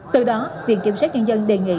từ đó viện kiểm soát nhân dân đề nghị